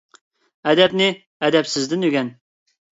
ئەدەپنى ئەدەپسىزدىن ئۆگەن.